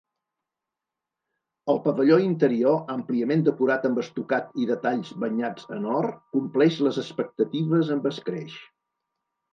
El pavelló interior, àmpliament decorat amb estucat i detalls banyats en or, compleix les expectatives amb escreix.